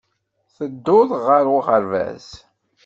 Tedduɣ ɣer uɣerbaz